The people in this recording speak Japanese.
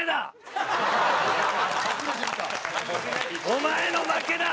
お前の負けだ！